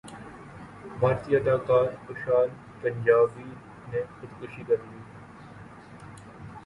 بھارتی اداکار کشال پنجابی نے خودکشی کرلی